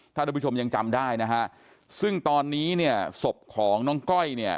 ท่านผู้ชมยังจำได้นะฮะซึ่งตอนนี้เนี่ยศพของน้องก้อยเนี่ย